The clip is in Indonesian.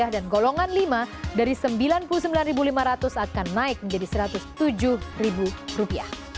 dan golongan lima dari rp sembilan puluh sembilan lima ratus akan naik menjadi rp satu ratus tujuh